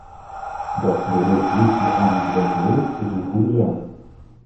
Dat de resolutie aan hem refereert is een goede zaak.